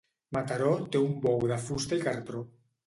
Mataró té un bou de fusta i cartró.